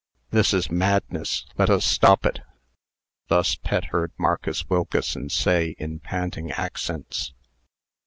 "This is madness. Let us stop it." Thus Pet heard Marcus Wilkeson say, in panting accents.